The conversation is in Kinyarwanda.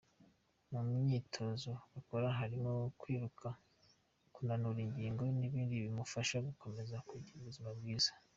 Mu myitozo bakora harimo kwiruka, kunanura ingingo n’ibindi bibafasha gukomeza kugira ubuzima bwiza.